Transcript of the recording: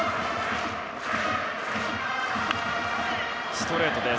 ストレートです。